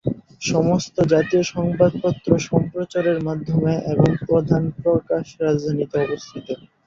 সমস্ত জাতীয় সংবাদপত্র, সম্প্রচার মাধ্যম এবং প্রধান প্রকাশক রাজধানীতে অবস্থিত।